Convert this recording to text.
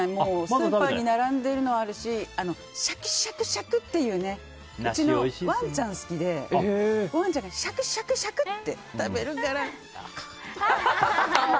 スーパーに並んでるのあるけどシャクシャクシャクっていううちのワンちゃん好きでワンちゃんがシャクシャクって食べるから可愛い！